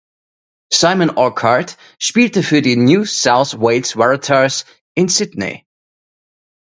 Simon Orchard spielte für die "New South Wales Waratahs" in Sydney.